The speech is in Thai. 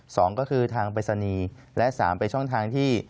สองก็คือทางปริศนีย์และสามไปช่องทางที่